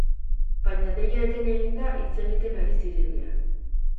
Baina deia eten egin da hitz egiten ari zirenean.